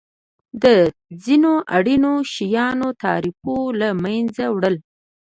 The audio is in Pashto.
د ځینو اړینو شیانو د تعرفو له مینځه وړل.